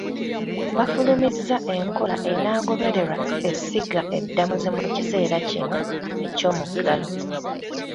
Bafulumizza enkola enaagobererwa essiga eddamuzi mu kiseera kino eky'omuggalo.